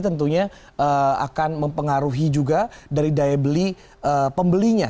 tentunya akan mempengaruhi juga dari daya beli pembelinya